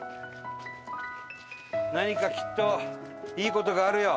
何かきっといい事があるよ。